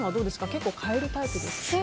結構、替えるタイプですか？